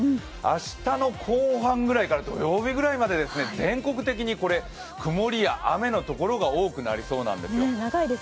明日の後半くらいから土曜日くらいまで全国的に曇りや雨のところが多くなりそうなんですよ。